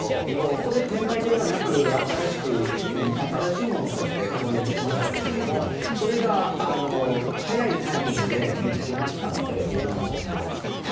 これは転売ではなくて新しいものとして購入しましたがそれが早いタイミングで見つけましたのでできました。